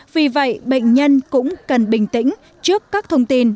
vì vậy bệnh nhân cũng cần bình tĩnh trước các thông tin